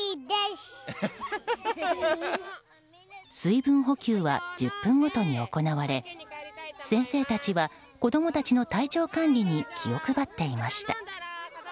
水分補給は１０分ごとに行われ先生たちは、子供たちの体調管理に気を配っていました。